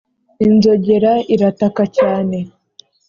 inzogera irataka cyane